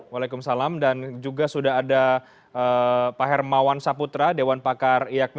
waalaikumsalam dan juga sudah ada pak hermawan saputra dewan pakar iakmi